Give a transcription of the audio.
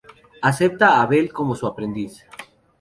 Acepta a Bell como su aprendiz.